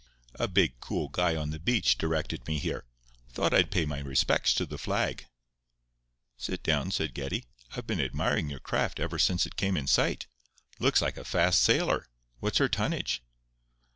A big, cool guy on the beach directed me here. Thought I'd pay my respects to the flag." "Sit down," said Geddie. "I've been admiring your craft ever since it came in sight. Looks like a fast sailer. What's her tonnage?"